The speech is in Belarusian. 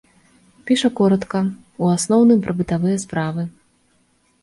Піша коратка, у асноўным, пра бытавыя справы.